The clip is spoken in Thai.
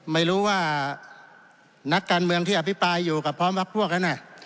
ไม่รู้ว่านักการเมืองที่อภิปรายอยู่กับพร้อมพักพวกนั้น